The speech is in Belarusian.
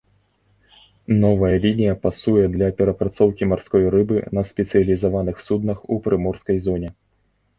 Новая лінія пасуе для перапрацоўкі марской рыбы на спецыялізаваных суднах у прыморскай зоне.